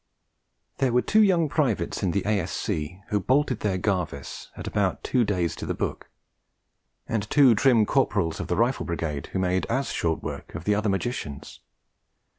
There were two young Privates in the A.S.C. who bolted their Garvice at about two days to the book; and two trim Corporals of the Rifle Brigade who made as short work of the other magicians.